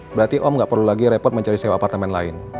berarti om gak perlu lagi repot mencari sewa apartemen lain